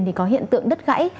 thì có hiện tượng đất gãy